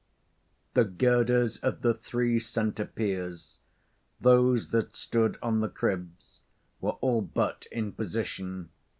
The girders of the three centre piers those that stood on the cribs were all but in position.